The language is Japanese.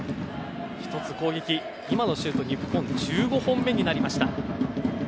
１つ、攻撃、今のシュート日本１５本目になりました。